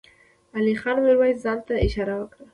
علی خان ميرويس خان ته اشاره وکړه.